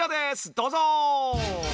どうぞ！